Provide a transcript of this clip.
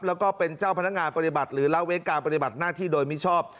แล้วก็เป็นเจ้าพนักงานปฏิบัติหรือละเว้นการปฏิบัติหน้าที่โดยมิชอบ